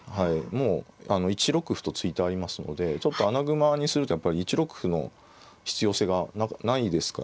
もう１六歩と突いてありますのでちょっと穴熊にするとやっぱり１六歩の必要性がないですからね。